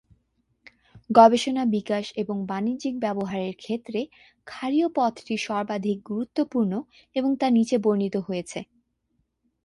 গবেষণা, বিকাশ এবং বাণিজ্যিক ব্যবহারের ক্ষেত্রে ক্ষারীয় পথটি সর্বাধিক গুরুত্বপূর্ণ এবং তা নীচে বর্ণিত হয়েছে।